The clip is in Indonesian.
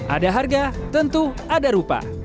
ada harga tentu ada rupa